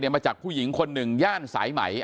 มาจากผู้หญิงคนหนึ่งย่านสายไหม